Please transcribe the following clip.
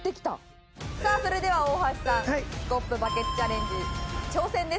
さあそれでは大橋さんスコップバケツチャレンジ挑戦です。